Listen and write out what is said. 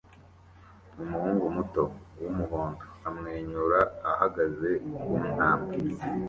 umuhungu muto wumuhondo amwenyura ahagaze kuntambwe